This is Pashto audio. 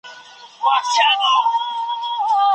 که فرضیې له اسنادو سره اړخ ونه لګوي نو رد کیږي.